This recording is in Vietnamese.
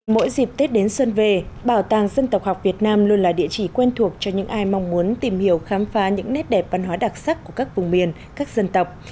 mỗi dịp tết đến xuân về bảo tàng dân tộc học việt nam luôn là địa chỉ quen thuộc cho những ai mong muốn tìm hiểu khám phá những nét đẹp văn hóa đặc sắc của các vùng miền các dân tộc